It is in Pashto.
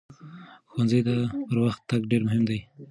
ښوونځي ته پر وخت تګ ډېر مهم دی.